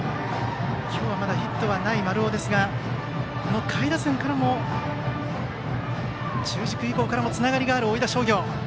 今日はまだヒットがない丸尾ですが下位打線、中軸以降からもつながりがある大分商業。